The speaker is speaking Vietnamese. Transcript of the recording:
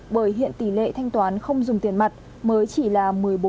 bởi hiện tỷ lệ thanh toán không dùng tiền mặt mới chỉ là một mươi bốn